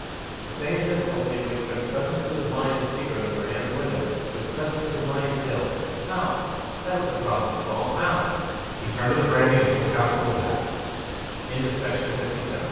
The same difficulty which had been present to his mind in secret under Anne's window was present to his mind still. How? That was the problem to solve. How? He turned to the brandy, and took counsel of that. CHAPTER THE FIFTIETH.